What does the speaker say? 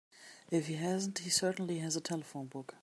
If he hasn't he certainly has a telephone book.